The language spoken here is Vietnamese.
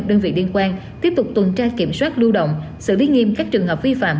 đơn vị liên quan tiếp tục tuần tra kiểm soát lưu động xử lý nghiêm các trường hợp vi phạm